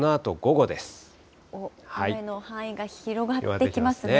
雨の範囲が広がってきますね。